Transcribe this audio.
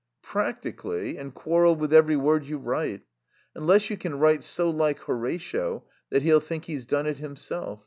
_" "Practically, and quarrel with every word you write. Unless you can write so like Horatio that he'll think he's done it himself.